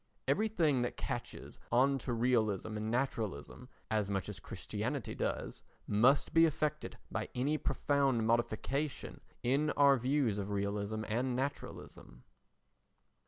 Everything that catches on to realism and naturalism as much as Christianity does must be affected by any profound modification in our views of realism and naturalism.